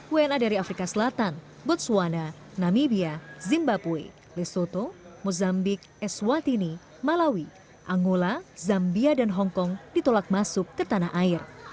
wna dari afrika selatan botswana namibia zimbapui lesoto mozambik eswatini malawi angola zambia dan hongkong ditolak masuk ke tanah air